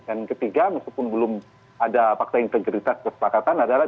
yang ketiga meskipun belum ada fakta integritas kesepakatan adalah